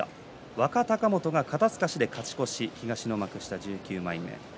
若隆元が肩すかしで勝ち越し東の幕下１９枚目。